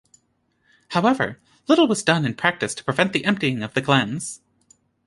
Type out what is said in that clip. However, little was done in practice to prevent the emptying of the glens.